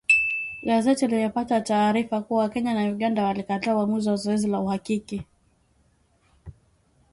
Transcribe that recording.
Gazeti limepata taarifa kuwa Kenya na Uganda walikataa uamuzi wa zoezi la uhakiki